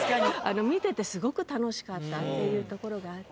見ててすごく楽しかったっていうところがあって。